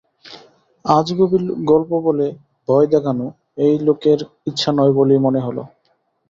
আজগুবি গল্প বলে ভয় দেখান এই লোকের ইচ্ছা নয় বলেই মনে হল।